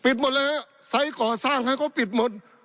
ปิดหมดแล้วไซค์ก่อสร้างครับก็ปิดหมด